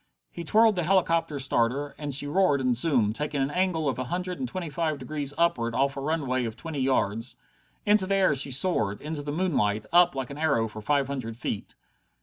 He twirled the helicopter starter, and she roared and zoomed, taking an angle of a hundred and twenty five degrees upward off a runway of twenty yards. Into the air she soared, into the moonlight, up like an arrow for five hundred feet.